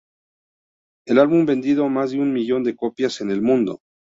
El álbum vendió más de un millón de copias en el mundo.